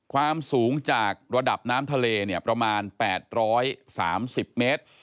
ความสูงจากระดับน้ำทะเลเนี่ยประมาณ๘๓๐เมตร